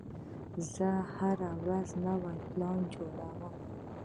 زه هره ورځ نوی پلان جوړوم.